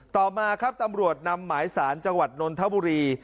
ต่อมาครับตำรวจนำหมายสารจังหวัดนนทบุรี